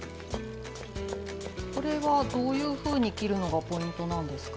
これはどういうふうに切るのがポイントなんですか？